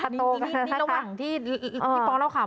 นี่ระหว่างที่พอเล่าข่าว